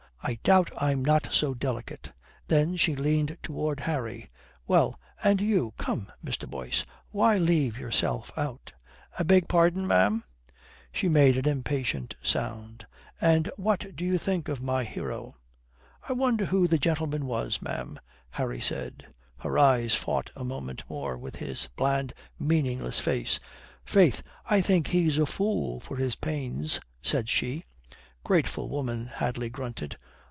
"I doubt I'm not so delicate," Then she leaned towards Harry. "Well, and you? Come, Mr. Boyce, why leave yourself out?" "I beg pardon, ma'am?" She made an impatient sound. "And what do you think of my hero?" "I wonder who the gentleman was, ma'am," Harry said. Her eyes fought a moment more with his bland, meaningless face. "Faith, I think he's a fool for his pains," said she. "Grateful woman," Hadley grunted.